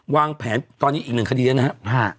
วางแผนตอนนี้อีกหนึ่งคดีนะครับ